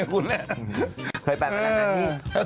เคยแปลงมาแล้วเหรอ